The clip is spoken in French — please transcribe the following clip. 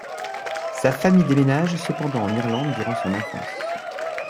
Sa famille déménage cependant en Irlande durant son enfance.